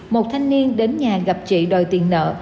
một thanh niên đến nhà gặp chị đòi tiền nợ